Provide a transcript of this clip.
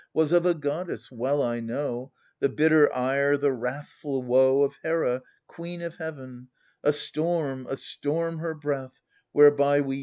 Was of a goddess : well I know The bitter ire, the wrathful woe Of Hera, queen of heaven — A storm, a storm her breath, whereby we yet are driven